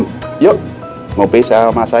mereka bertugas melaporkan industri kita